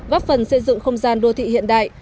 góp phần xây dựng không gian đô thị hiện đại